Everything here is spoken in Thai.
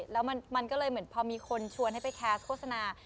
แล้วมันก็เลยเหมือนพอมีคนชวนให้ไปแคสโฆษณา